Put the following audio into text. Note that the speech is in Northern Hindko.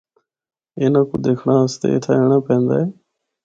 اِنّاں کو دکھنڑا آسطے اِتھّا اینڑا پیندا اے۔